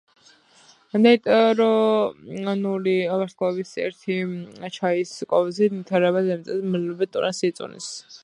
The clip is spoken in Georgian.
ნეიტრონული ვარსკვლავის ერთი ჩაის კოვზი ნივთიერება დედამიწაზე მილიარდობით ტონას იწონის.